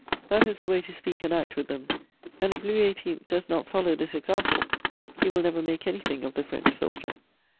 That is the way to speak and act with them, and if Louis XVIII. does not follow this example, he will never make anything of the French soldier.'...